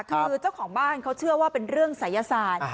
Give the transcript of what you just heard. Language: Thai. คือเจ้าของบ้านเขาเชื่อว่าเป็นเรื่องศัยศาสตร์